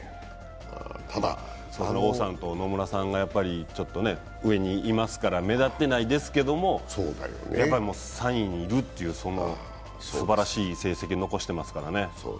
あの王さんと野村さんが上にいますから目立ってないですけども、３位にいるというすばらしい成績を残してますからね。